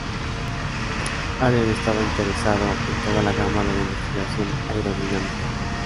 Allen estaba interesado en toda la gama de la investigación aerodinámica.